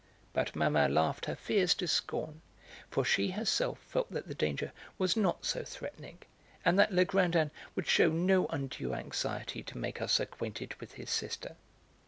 But Mamma laughed her fears to scorn, for she herself felt that the danger was not so threatening, and that Legrandin would shew no undue anxiety to make us acquainted with his sister.